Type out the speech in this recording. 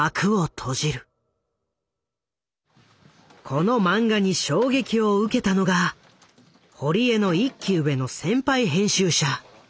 この漫画に衝撃を受けたのが堀江の１期上の先輩編集者